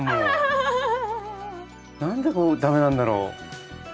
何でこう駄目なんだろう。